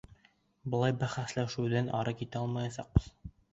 Былай бәхәсләшеүҙән ары китә алмаясаҡбыҙ.